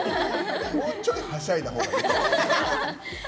もうちょいはしゃいだほうがいいよ。